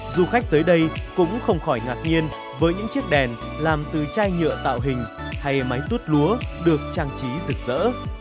du khách tới đây cũng không khỏi ngạc nhiên với những chiếc đèn làm từ chai nhựa tạo hình hay máy tút lúa được trang trí rực rỡ